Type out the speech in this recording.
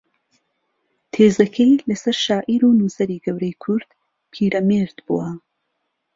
تێزەکەی لەسەر شاعیر و نووسەری گەورەی کورد پیرەمێرد بووە